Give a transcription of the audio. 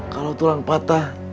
kalau tulang patah